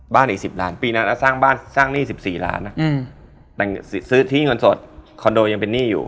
อีก๑๐ล้านปีนั้นสร้างบ้านสร้างหนี้๑๔ล้านแต่ซื้อที่เงินสดคอนโดยังเป็นหนี้อยู่